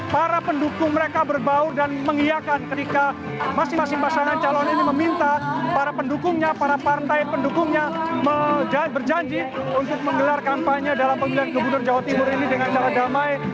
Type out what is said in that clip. para pendukung mereka berbau dan mengiakan ketika masing masing pasangan calon ini meminta para pendukungnya para partai pendukungnya berjanji untuk menggelar kampanye dalam pemilihan gubernur jawa timur ini dengan cara damai